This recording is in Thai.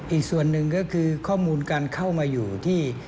อีกส่วนหนึ่งก็คือข้อมูลการเข้ามาอยู่ที่